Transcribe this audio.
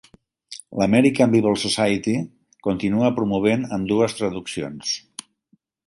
L'American Bible Society continua promovent ambdues traduccions.